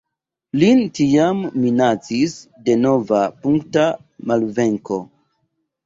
Lin tiam minacis denova punkta malvenko.